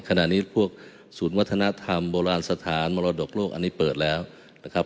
ขณะนี้พวกศูนย์วัฒนธรรมโบราณสถานมรดกโลกอันนี้เปิดแล้วนะครับ